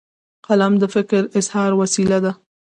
قلم د فکر اظهار وسیله ده.